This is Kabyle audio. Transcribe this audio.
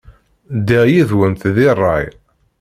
Ddiɣ yid-went deg ṛṛay.